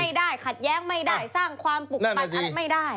สร้างความปลุกปัดอะไรไม่ได้